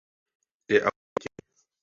Je autorem několika divadelních her pro děti.